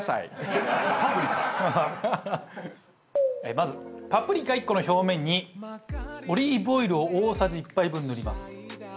まずパプリカ１個の表面にオリーブオイルを大さじ１杯分塗ります。